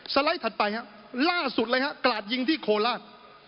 ไลด์ถัดไปครับล่าสุดเลยฮะกราดยิงที่โคราช